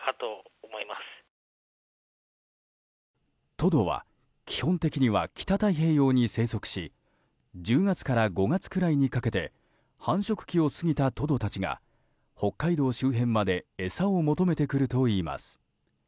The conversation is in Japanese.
トドは基本的には北太平洋に生息し１０月から５月くらいにかけて繁殖期を過ぎたトドたちが北海道周辺まで餌を求めて来るといいます。